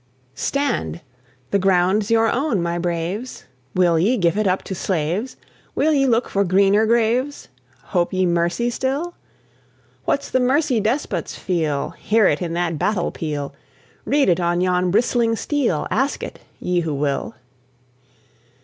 (1785 1866.) Stand! the ground's your own, my braves! Will ye give it up to slaves? Will ye look for greener graves? Hope ye mercy still? What's the mercy despots feel? Hear it in that battle peal! Read it on yon bristling steel! Ask it, ye who will.